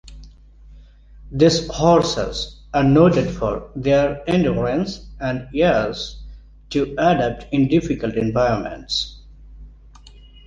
These horses are noted for their endurance and ease to adapt in difficult environments.